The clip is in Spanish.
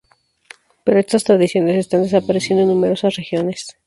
Pero estas tradiciones están desapareciendo en numerosas regiones.